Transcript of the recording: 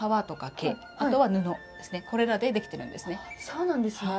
そうなんですね。